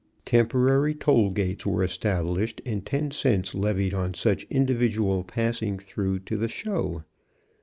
Temporary toll gates were established, and ten cents levied on such individual passing through to the "show."